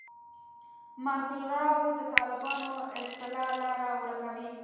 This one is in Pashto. منځلارو طالبانو اصطلاح لاره ورکوي.